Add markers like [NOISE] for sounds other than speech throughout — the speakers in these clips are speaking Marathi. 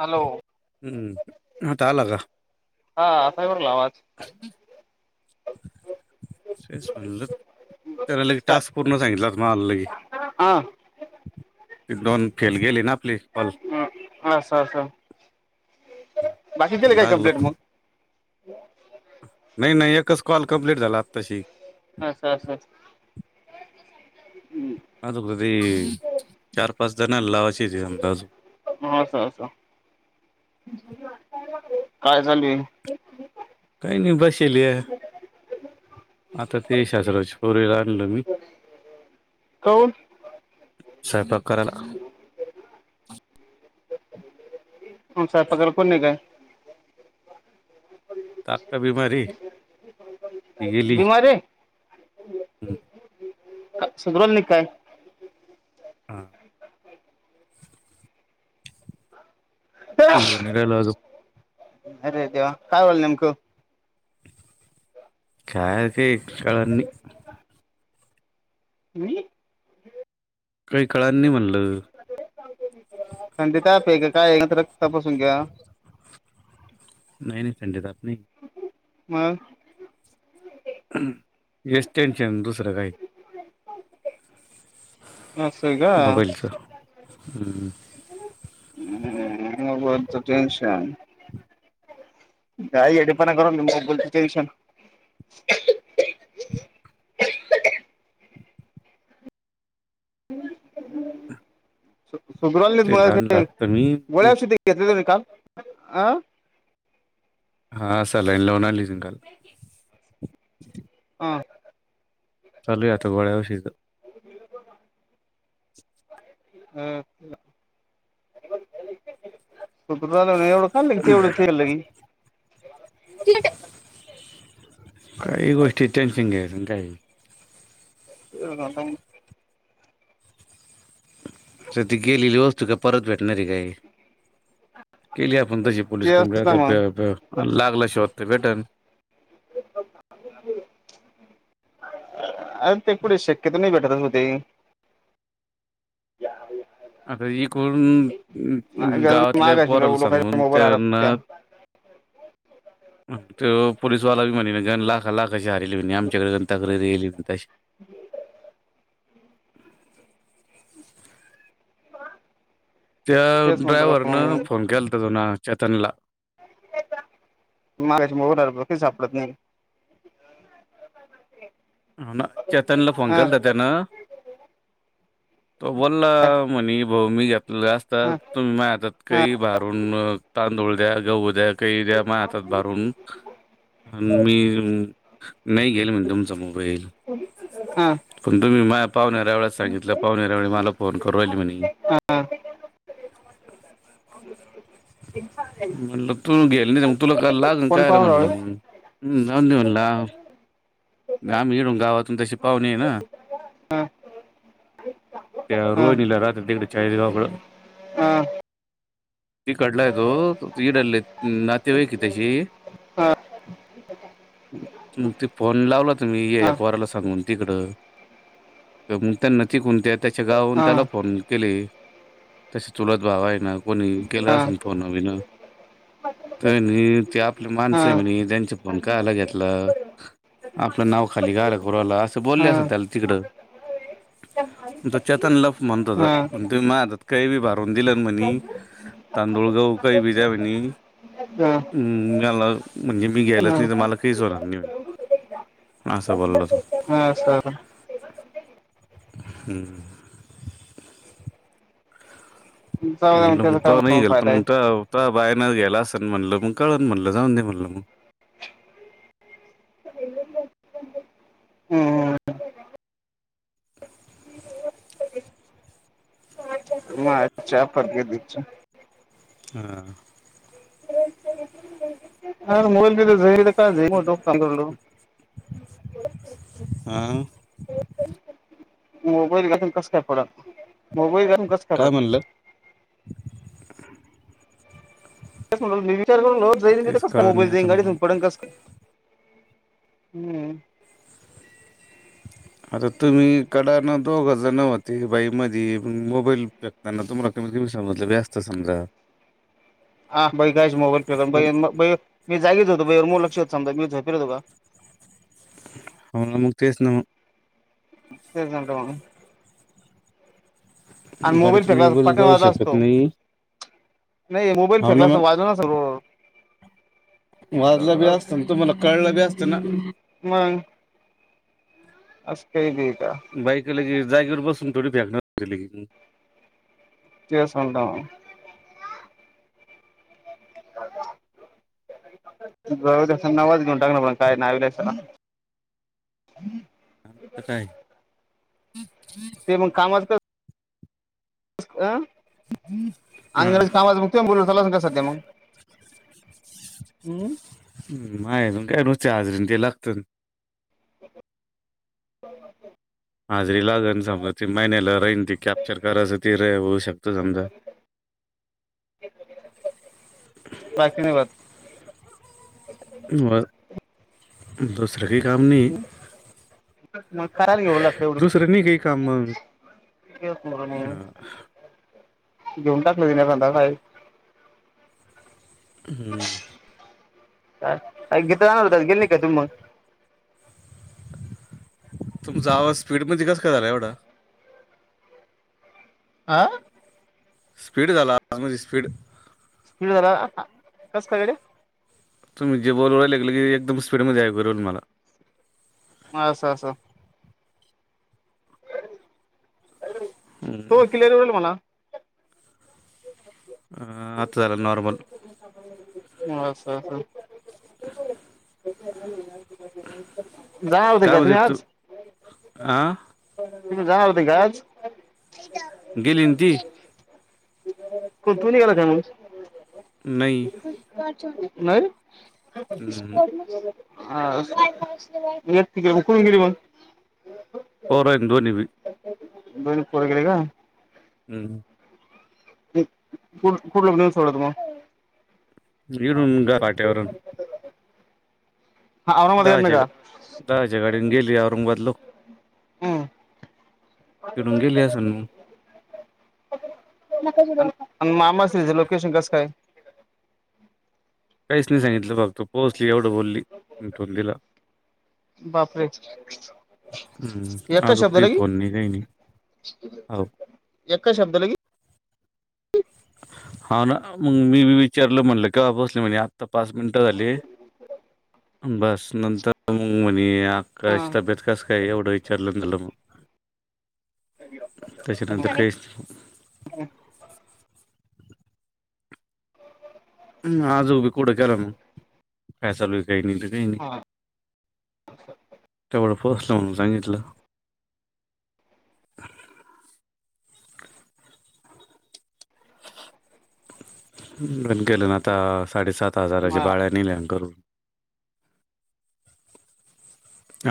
हॅलो हम्म हता आला का हा असा बरला आवाज तेच म्हणलं त्याला लगे तास् पूर्ण सांगितलं मल लगी हा. एक दोन फेल गेली ना आपली कॉल ह असं असं बाकी दिले काय लागलं कम्प्लेट पण मग नाही नाही एकच कॉल कम्प्लीट झाला तशी अचछा अज कदी चार पाच जना लावाश येतम अज ह काय चालू आहे काही नाही बसल आहे आता ते शास्रची पोरीला आणलो मी काऊन सहेपा कराला म साहे पगला कोण नाही काय ताका बीमारी ही गेली बिमार हम् सगरल न काय हा हो नरालाज अरे देव्हा काय बला नेमकं कायय काकाळनी हम् काही काळांनी म्हणलं थंडी त आप आहे का काय आहे तर रक् तपासून घ्या नाही नाही संडेदात नाही मग येच टेनशन दुसरं काही असं आहे का? मबलच्या हम हम्त टनशन गाई येडीपणा कर निल दिशन [INAUDIBLE] [INAUDIBLE] सुग्रवालत ते लहान का लागतं मी गोळ्यासध घेतले तुम्ही काल आह हा सल लईन लनलीजकाल हा चल तगोड्याव शगध [INAUDIBLE] हम् कत्र एवढं खल क ते एवढंलं काही गोष्टी टेन्शन घ्या काही ह तर त गेली वस्तू काय परत व णार रे काही केली आपण तशी पोलीस क तेच ना मग आता लागला शोत ट्रिबटन [INAUDIBLE] अरे ते कुढे शक्यत नाही भेटतच होते आता ज करण गावातल्या मागाशी पोरला लोकांच्या सांगून मोबाईल त्यांना हरपत्या ते पोललीस वाला भी म्हनी न घन लाख लाख कशी आरली बी नाही आमच्याकडेण तक्रारी येली बी तशीही त्या तेच म्हणतो ड्रायवररन फोन केला तज ना तनला मागाच्या मोग कही सापडत नाही. हो ना चेतनला फ हा केलतात ना. त बोल हा मनीभऊ मी जात. असतात तुम्ही मा आतात हा काही भारून तांदूळ द्या गहू द्या. काही त्या मा हातात भारून मी नाही गेल म्हण तुमसमोर हो हा पण तुम्ही मा पाहुणेऱ्या वेस सांगितलं पाहणे या्यावेळी मला फोन करवाल म्हणे. हां. म्हटलं तू गेल नाही मग तुला काल लाग कोण काय र पाहुणा म्हटलं मग रावळे हम्म ंदवला [UNINTELLIGIBLE] गम मिडून गावातून तशी पाहणे आहे ना. त्या हा रोहिनला राात्री तकड यले गळ हा त कडलाय तो इडलले नाते आहे कि तशी हा ते प [UNINTELLIGIBLE] लावला तुम्ही या हा हा एफआरला सांगून तिकडं मग त्यां न त कोणत्या आहेत. त्याच्या गाहून हा त्याला फोन केले तसे चुलत भावा आहे ना. कोणी केलं असे हा फोन विन ते आपली माणसं म्ह त्यांच्या पण काय आलं घेतलं. आपलं नाव खाली गार करूला असं बोलले असं ना हा त्याला तिकडं ण तो चेतन लफ म्हणतो हा म्हण तुम्ही मारतात काही बी भारवून दिल म्हणे. तांदूळगाव काही भ जवे नि हा हम मला म्हणजे मी घ्यायलाच हा. नाही तर मला काहीच होणार नाही म्ह हां असं बोलल त. हा सर हम्म जाऊ दे मग म्हणलंग त्याचा त काय नाही म्हणून गल पण फायदा आहे. मग त तो बायन गेला असन म्हणल मग कळन म्हणल जाऊन दे म्हणल मग [UNINTELLIGIBLE] हम्म अच्छा फक दिच्या हा अ मोबाईल झा काय झा ह म मोबाईल गाेून कस काय फडात मोबाईल घालून कसं काय पडल म्हणलं. स म्हट मी विचार करून जाईल तेच कस का कळत मोबाईल नाही आता देईन मला गाडी पड कस का हम्म. आता तुम्ही कड न दोघ हजार नव्हते बाई मध मोबाईल शेकताना तुम्हाला ष मल जास्त संग्रह हा बई कायच मोबाईल फे मी जागेच होत. दुबईर मग लक्ष समजा मी झपे तुघ मम्हाला मुक्तसना तेचट गाडी्यातून मोबाईल पाठीमागं जाऊ वाजला शकत असतो. नाही. नाही मोबाईल फेकला असत वाजव ना सग वाजलं बी असतं ना तुम्हाला कळलं बी असतं ना. मगं अस काही हे. बाई का लागच जागेवर बसून थोडी फ्याकणार होती. [UNINTELLIGIBLE] तेल सांडल. [UNINTELLIGIBLE] जाऊदे नवाच घेऊन टाकणार पण काय [UNINTELLIGIBLE] [UNINTELLIGIBLE] आत काय? ते मग कामच कर. [UNINTELLIGIBLE] हा चालन का सध्या मग, हम. मायजून काय रोजच हाजरीन ते लागतंन. [UNINTELLIGIBLE] हजरी लागल समजा ती महिन्याला राहीन ती कॅप्चर करायचं ती र होऊ शकत समजा. [INAUDIBLE] बाकी नाही वात म, दुसर काही काम नाही. मग कायला घेऊ लागत एवढी दुसरं नाही का काम म. [UNINTELLIGIBLE] घेऊन टाकलं [UNINTELLIGIBLE] हम्म. [UNINTELLIGIBLE] तुमचा आवाज स्पीड मध्ये कस काय झाला एवढा. आ. स्पीड झाला, म्हणजे स्पीड. स्पीड झाला, कस काय रे? तुम्ही जे बोल वयला लागेलं की एकदम स्पीडमध्ये [UNINTELLIGIBLE] मला. म असो असो. हम्म. [UNINTELLIGIBLE] म्हणा आता झाला नॉर्मल. म असा [UNINTELLIGIBLE] [INAUDIBLE] जा होते का तुम्ही आज. आं. तुम्ही जाणार होते का आज. गेली ना ती कुणी गेला त्यावेळेस नई. नाही हम्म. [UNINTELLIGIBLE] हा [UNINTELLIGIBLE] पोरं आहे ना दोन्ही बी दोन पोरगे काय? हम्म. कु कुठ [UNINTELLIGIBLE] सोड [UNINTELLIGIBLE] इर ऊन घाट्यावरून. हा औरंगाबादकडनं दहाच्या, का दहाच्या गाडीने गेली औरंगाबादल हम्म [UNINTELLIGIBLE] आणि मामाच हिज लोकेशन कसं काय? काहीच नाही सांगितलं बघ तू पोहोचली एवढं बोलली आणि ठेवून दिला. बापरे, हम्म. एका अजून काही शब्दला फोन नाही काही नाही हो [UNINTELLIGIBLE] एका शब्दला [UNINTELLIGIBLE] हा ना, मग मी बी विचारलं म्हणल कावा बसली आता पाच मिनटं झाली. बस नंतर मग म्हणे हा अकाशी तब्येत कसं काय एवढं विचारलंंतलं मग त्याच्यानंतर काही हम आजूबी कुठं केला म फैसाल व हा ोसलं म्हणून सांगितलं. पण केलं ना आता साडेसात हजारच्या म- बाळ्या नेल्या करून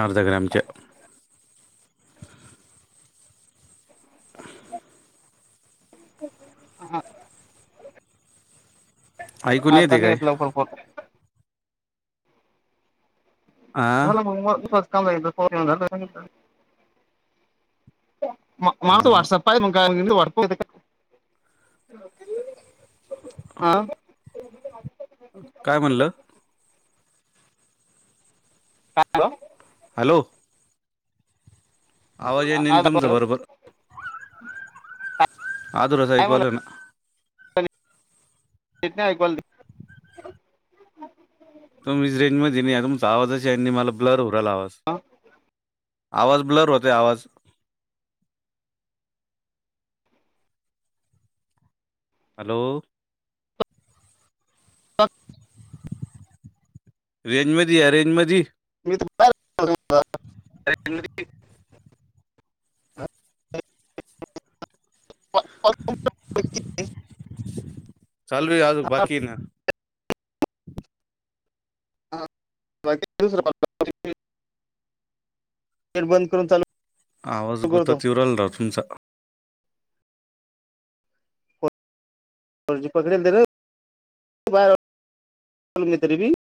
अर्ध ग्रॅमचे हा. ऐकून येते आतानी काय घेतलं फरपोट हा झालं मग म का झालं हा म ना मग वॉट्सअप का वाटपते का? हा. काय म्हणलं? हा हॅलो हॅलो. आवाज ये आ- निंद आ- तुमचं काय बरोबर आद र सईकवाले म्हणलं ना [UNINTELLIGIBLE] तुम्ही रेंज मध्ये नाही तुमचा आवाजच आहे मला ब्लर हुरायला आवाज आवाज ब्लर होते आवाज हॅलो. रेंज मध या रेंज मध [UNINTELLIGIBLE] चालवी आज बाकी ना [UNINTELLIGIBLE] बंद करून चालू आवाज गोता करतो येउ राव तुमचा ी पकडला र बार तरीबी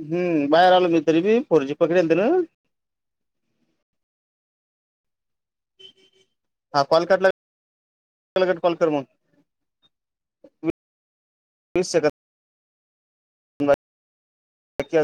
हम्म बाहेर आलं की तरी बी फोरजी पकडंत ना हा कॉल काला कॉल कर मग वीस सेंकद [UNINTELLIGIBLE]